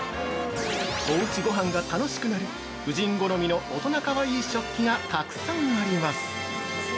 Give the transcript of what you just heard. おうちごはんが楽しくなる夫人好みの大人かわいい食器がたくさんあります！